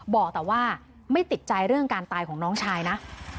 บอกแต่ว่าไม่ติดใจเรื่องการตายของน้องชายนะ